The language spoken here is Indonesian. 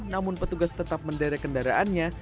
namun petugas tetap menderek kendaraannya